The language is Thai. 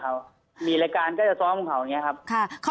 คุณเอกวีสนิทกับเจ้าแม็กซ์แค่ไหนคะ